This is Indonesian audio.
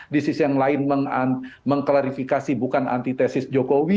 di sisi yang lain mengklarifikasi bukan anti tesis jokowi